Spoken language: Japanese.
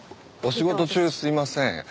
お仕事中すいません。